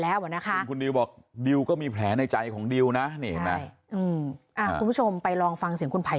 แล้ววันนี้คุณหนูบอกด้วยก็มีแผลในใจของดิวนะนี่อ่ะคุณผู้ชมไปลองฟังเสียงคุณภัย